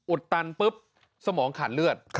อุดตันปุ๊บสมองขันเลือด